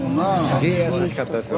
すげえ優しかったですよ。